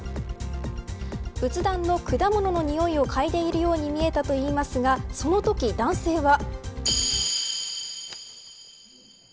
仏壇の果物のにおいをかいでいるように見えたといいますがそのとき男性は。